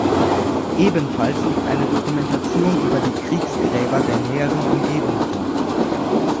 Ebenfalls liegt eine Dokumentation über die Kriegsgräber der näheren Umgebung vor.